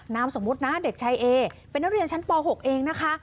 นามสมมุตินะเด็กชายเอเป็นนักเรียนชั้นป๖เองนะคะ